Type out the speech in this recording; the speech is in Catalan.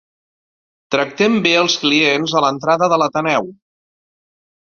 Tractem bé els clients a l'entrada de l'Ateneu.